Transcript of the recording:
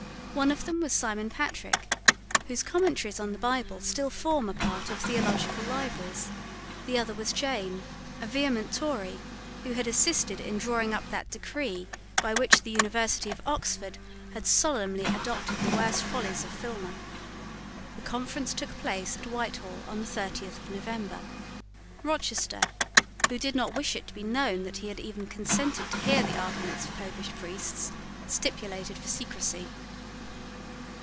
One of them was Simon Patrick, whose commentaries on the Bible still form a part of theological libraries; the other was Jane, a vehement Tory, who had assisted in drawing up that decree by which the University of Oxford had solemnly adopted the worst follies of Filmer. The conference took place at Whitehall on the thirtieth of November. Rochester, who did not wish it to be known that he had even consented to hear the arguments of Popish priests, stipulated for secrecy.